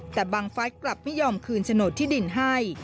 แต่บังฟัสกลับไม่ยอมคืนโฉนดที่ดินให้